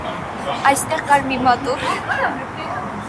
Այստեղ կար մի մատուռ։